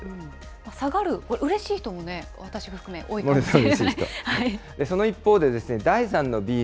下がる、これ、うれしい人も私も含め、多いと思います。